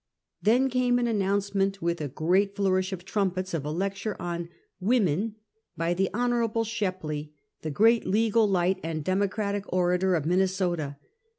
Then came an announcement with a great flourish of trumpets of a lecture on " Woman," by the Hon, Shepley, the great legal light and democratic orator of Minnesota.